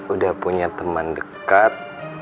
udah punya temen dekat